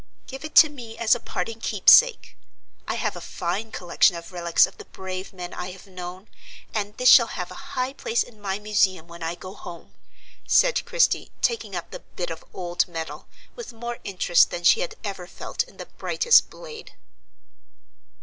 "Give it to me as a parting keepsake. I have a fine collection of relics of the brave men I have known; and this shall have a high place in my museum when I go home," said Christie, taking up the "bit of old metal" with more interest than she had ever felt in the brightest blade.